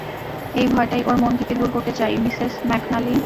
এই ভয়টাই ওর মন থেকে দূর করতে চাই, মিসেস ম্যাকনালি।